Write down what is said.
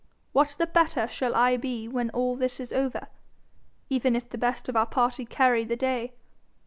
What the better shall I be when all this is over, even if the best of our party carry the day?